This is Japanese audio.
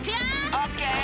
オッケー！